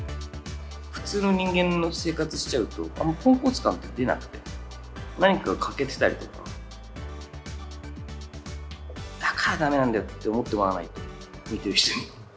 普通の人間の生活しちゃうと、あんま、ポンコツ感って出なくて、何か欠けてたりとか、だからだめなんだよって思ってもらわないと、見てる人に。